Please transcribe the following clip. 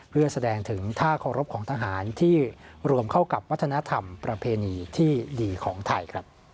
เพื่อแสดงถึงท่าเคารพของทหารที่รวมเข้ากับวัฒนธรรมประเพณีที่ดีของไทย